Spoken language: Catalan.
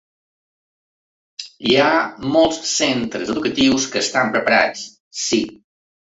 Hi ha molts centres educatius que estan preparats, sí.